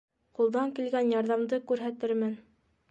Ҡулдан килгән ярҙамды күрһәтермен.